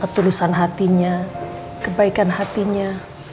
ketulusan hatinya kebaikan hatinya